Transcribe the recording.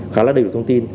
khá là đầy đủ thông tin